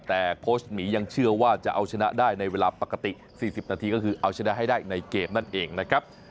แต่โค้ชหมียังเชื่อว่าจะเอาชนะได้ในเวลาปกติ๔๐นาทีก็คือเอาชนะให้ได้ในเกมนั่นเองนะครับ